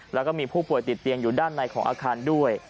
แล้วก็มีผู้ป่วยติดเตียงอยู่ด้านในของอาคารด้วย